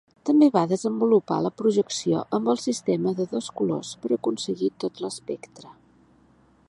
També va desenvolupar la projecció amb el sistema de dos colors per aconseguir tot l'espectre.